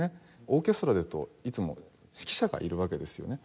オーケストラですといつも指揮者がいるわけですよね。